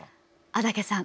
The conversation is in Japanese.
安宅さん